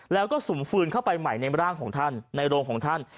แล้วก็สุ่มฟืนเข้าไปใหม่ในร่างของท่านในโรงของท่าน